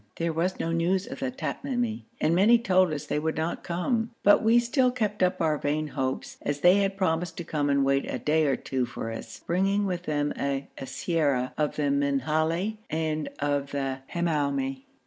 There was no news of the Tamimi and many told us they would not come, but we still kept up our vain hopes, as they had promised to come and wait a day or two for us, bringing with them a siyara of the Minhali and of the Hamoumi.